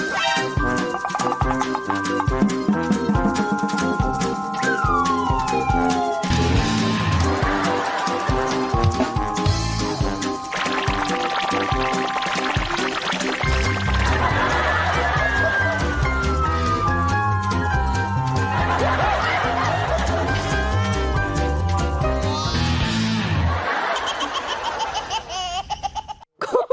เฮ้ย